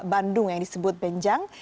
bandung yang disebut benjang